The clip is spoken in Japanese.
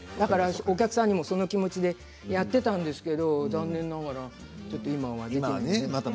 お客さんに、その気持ちでやっていたんですけど残念ながらちょっと今は。